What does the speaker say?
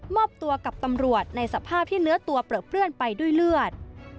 อบตัวกับตำรวจในสภาพที่เนื้อตัวเปลือเปื้อนไปด้วยเลือด